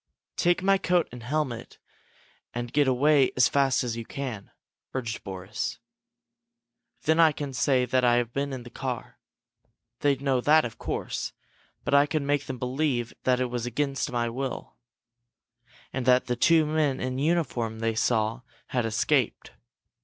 "Take my coat and helmet and get away as fast as you can," urged Boris. "Then I can say that I have been in the car. They'd know that, of course, but I could make them believe that I was in it against my will, and that the two men in uniform they saw had escaped.